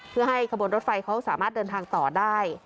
เพื่อให้ขบวนรถไฟเขาสามารถเดินทางต่อได้